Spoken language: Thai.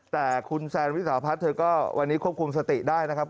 แต่คุณแซนวิสาพัฒน์เธอก็วันนี้ควบคุมสติได้นะครับ